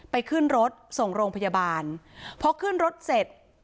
ขึ้นรถส่งโรงพยาบาลพอขึ้นรถเสร็จ